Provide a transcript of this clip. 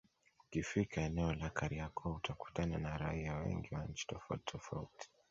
Ukifika eneo la Kariakoo utakutana na raia wengi wa nchi tofauti tofauti